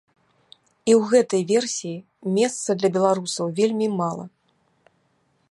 І ў гэтай версіі месца для беларусаў вельмі мала.